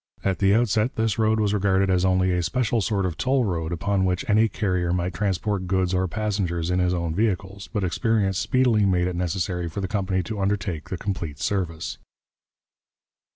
At the outset this road was regarded as only a special sort of toll road upon which any carrier might transport goods or passengers in his own vehicles, but experience speedily made it necessary for the company to undertake the complete service.